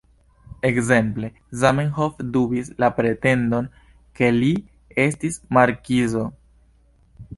Ekzemple: "Zamenhof dubis la pretendon, ke li estis markizo.